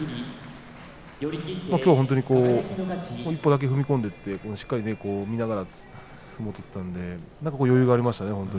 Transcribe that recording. きょうは本当に一歩だけ踏み込んでしっかり相手を見ながら相撲を取ったので余裕がありましたね。